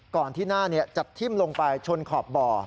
ก่อนที่หน้าจัดทิ้มลงไปชนขอบบ่อ